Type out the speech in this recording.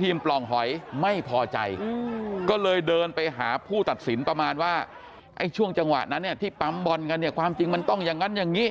ที่ปั๊มบอลกันเนี่ยความจริงมันต้องอย่างนั้นอย่างนี้